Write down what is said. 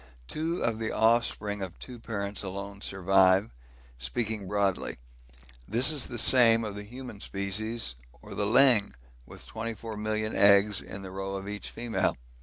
Two of the offspring of two parents alone survive, speaking broadly; this the same of the human species or the 'ling,' with 24,000,000 eggs in the roe of each female!